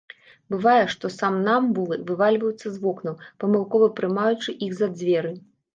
Бывае, што самнамбулы вывальваюцца з вокнаў, памылкова прымаючы іх за дзверы.